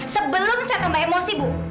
sebelum saya tambah emosi ibu